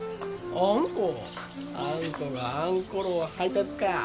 あんこがあんころを配達か。